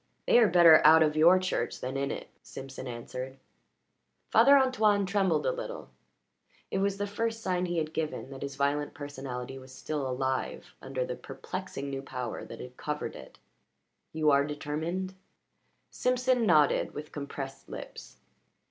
"They are better out of your Church than in it," Simpson answered. Father Antoine trembled a little; it was the first sign he had given that his violent personality was still alive under the perplexing new power that had covered it. "You are determined?" Simpson nodded with compressed lips.